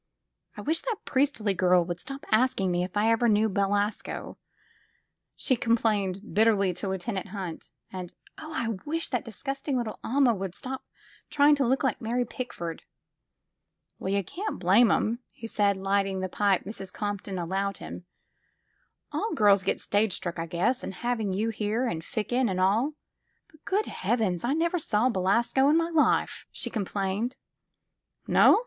I wish that Priestley girl would stop asking me if I ever knew Belasco," she complained bitterly to Lieu 196 THE FILM OF FATE tenant Hunt, "and oh, I wish that disgusting little Alma "would stop trying to look like Mary Pickford!'' '^Well, you can't blame 'em,*' he said, lighting the pipe Mrs. Compton allowed him. A11 girls get stage struck, I guess, and having you here, and Ficken, and all " But, good heavens, I never saw Belasco in my life!" she complained. '' No